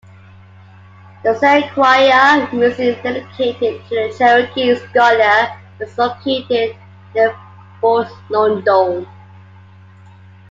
The Sequoyah Museum, dedicated to the Cherokee scholar, is located near Fort Loudoun.